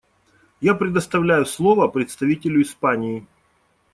Я предоставляю слово представителю Испании.